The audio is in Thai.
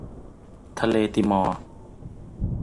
ทะเลติมอร์